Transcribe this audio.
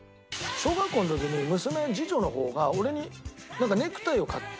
小学校の時に娘次女の方が俺にネクタイを買ってくれたのよ。